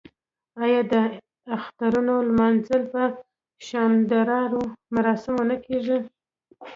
آیا د اخترونو لمانځل په شاندارو مراسمو نه کیږي؟